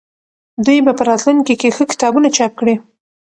دوی به په راتلونکي کې ښه کتابونه چاپ کړي.